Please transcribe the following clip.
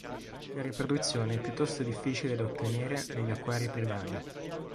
La riproduzione è piuttosto difficile da ottenere negli acquari privati.